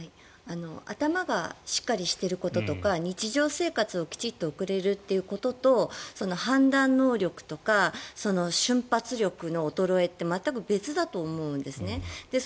頭がしっかりしてることとか日常生活をきちんと送れるということと判断能力とか瞬発力の衰えって全く別だと思うんですね。